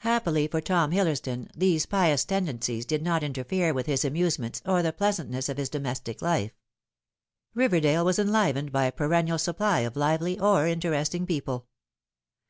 Happily for Tom Hillersdon these pious tendencies did not interfere with his amusements or the pleasantness of his domes tic life. Riverdale was enlivened by a perennial supply of lively or interesting people.